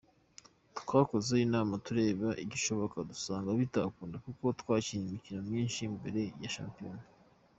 Twakoze inama tureba igikoshoka dusanga bitakunda kuko twakinnye imikino myinshi mbere ya shampiyona.